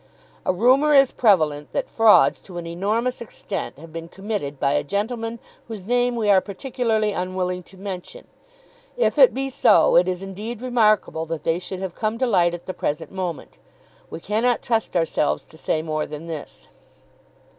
"A rumour is prevalent that frauds to an enormous extent have been committed by a gentleman whose name we are particularly unwilling to mention. If it be so it is indeed remarkable that they should have come to light at the present moment. We cannot trust ourselves to say more than this."